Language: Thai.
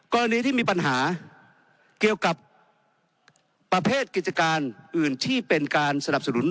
กรณีที่มีปัญหาเกี่ยวกับประเภทกิจการอื่นที่เป็นการสนับสนุน